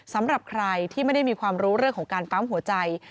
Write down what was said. สำหรับใครที่ไม่ได้มีความรู้เรื่องของการปั๊มหัวใจ